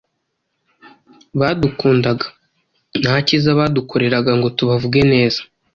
badukundaga ntakiza badukoreraga ngo tubavuge neza